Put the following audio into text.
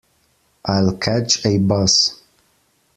I'll catch a bus.